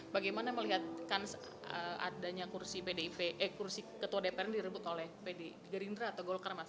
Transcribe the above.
bagaimana melihatkan adanya kursi ketua dpr ini direbut oleh gerindra atau golkar mas